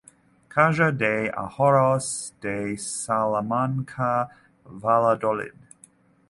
Caja de Ahorros de Salamanca, Valladolid.